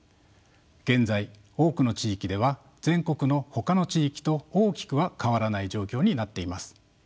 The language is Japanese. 現在多くの地域では全国のほかの地域と大きくは変わらない状況になっています。